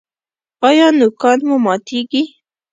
ایا نوکان مو ماتیږي؟